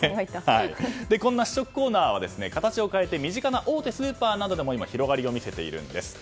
そんな試食コーナーは形を変えて身近な大手スーパーなどでも今、広がりを見せているんです。